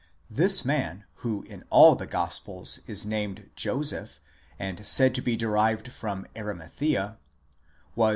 This man, who in all the gospels is named Joseph, and said to be derived from Arimathea, was.